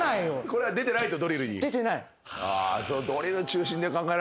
これは出てないとドリルに。